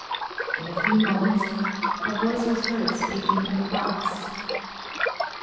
In a few moments a voice was heard speaking from the box.